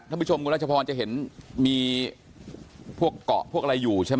ท่านผู้ชมคุณและเจ้าภรรย์จะเห็นมีพวกเกาะพวกอะไรอยู่ใช่ไหม